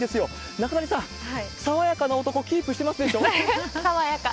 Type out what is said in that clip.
中谷さん、爽やかな男キープしてますでしょうか？